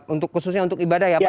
untuk khususnya untuk ibadah ya pak